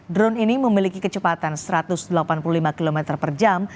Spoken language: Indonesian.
drone ini memiliki kecepatan satu ratus delapan puluh lima km per jam